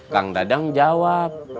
kang dadang jawab